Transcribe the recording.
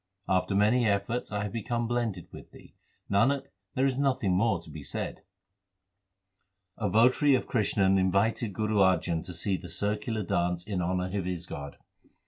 After many efforts I have become blended with Thee ; Nanak, there is nothing more to be said. A votary of Krishan invited Guru Arjan to see the circular dance in honour of his god.